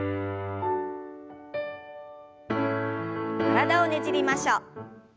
体をねじりましょう。